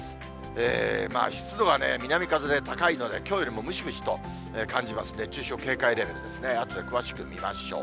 湿度はね、南風で高いので、きょうよりもムシムシと感じますんで、熱中症警戒レベルですね、あとで詳しく見ましょう。